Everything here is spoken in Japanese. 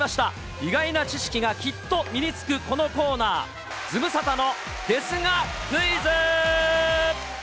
意外な知識がきっと身につく、このコーナー、ズムサタのですがクイズ。